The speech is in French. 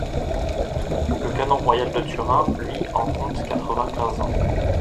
Le Canon royal de Turin lui en compte quatre-vingt-quinze ans.